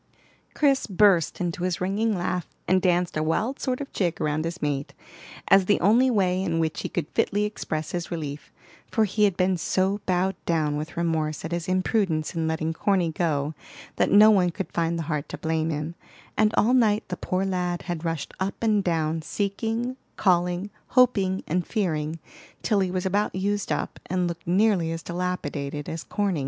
Chris burst into his ringing laugh, and danced a wild sort of jig round his mate, as the only way in which he could fitly express his relief; for he had been so bowed down with remorse at his imprudence in letting Corny go that no one could find the heart to blame him, and all night the poor lad had rushed up and down seeking, calling, hoping, and fearing, till he was about used up, and looked nearly as dilapidated as Corny.